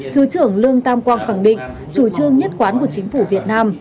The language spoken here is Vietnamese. thứ trưởng lương tam quang khẳng định chủ trương nhất quán của chính phủ việt nam